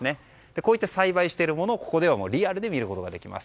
こういった栽培しているものをここではリアルに見ることができます。